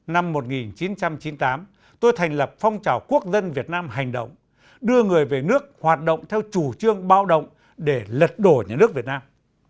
năm một nghìn chín trăm chín mươi tám tôi thành lập phong trào quốc dân việt nam hành động đưa người về nước hoạt động theo chủ trương bạo động để lật đổ nhà nước việt nam